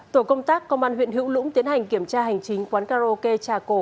tổ công tác công an huyện hữu lũng tiến hành kiểm tra hành chính quán karaoke trà cổ